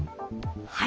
はい！